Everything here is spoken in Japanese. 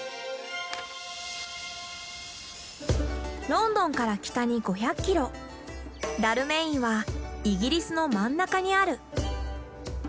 ロンドンから北に５００キロダルメインはイギリスの真ん中にある。